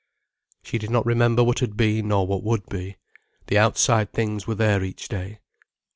She did not remember what had been nor what would be, the outside things were there each day.